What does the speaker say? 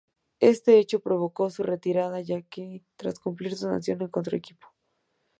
Este hecho provocó su retirada ya que tras cumplir su sanción no encontró equipo.